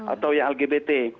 atau yang lgbt